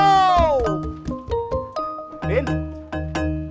kan ragam raka faites cindy lainnya